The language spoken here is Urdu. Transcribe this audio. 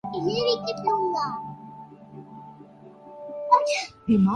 اس لئے دستیاب وسائل کے بہترین استعمال اور اجتماعی ذمہ داری کو نظم و ضبط سے نبھانے کے لئے